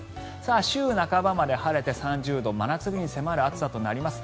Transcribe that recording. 週半ばまで晴れて３０度真夏に迫る暑さとなります。